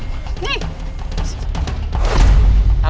biar aku yang bayar ini mas